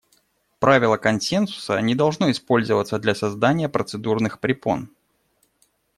Правило консенсуса не должно использоваться для создания процедурных препон.